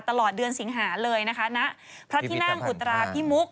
ตลอดเดือนสิงหาเลยนะคะณพระที่นั่งอุตราพิมุก